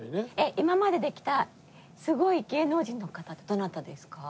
今までで来たすごい芸能人の方ってどなたですか？